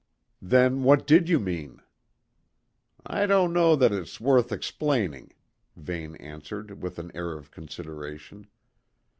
"Then what did you mean?" "I don't know that it's worth explaining," Vane answered with an air of consideration.